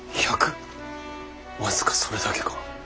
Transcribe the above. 僅かそれだけか？